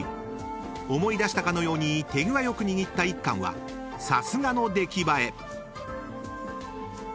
［思い出したかのように手際良く握った１貫はさすがの出来栄え］